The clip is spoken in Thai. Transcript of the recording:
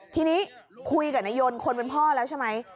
ทีนี้คุยกับนายนคนเป็นพ่อแล้วใช่ไหม